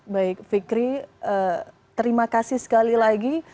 baik fikri terima kasih sekali lagi